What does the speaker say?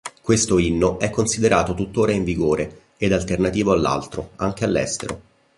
Questo inno è considerato tuttora in vigore ed alternativo all'altro, anche all'estero.